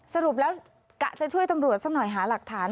สรุปแล้วกะจะช่วยตำรวจสักหน่อยหาหลักฐาน